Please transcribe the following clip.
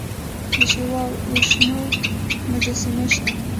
د شیوا او وشنو مجسمې شته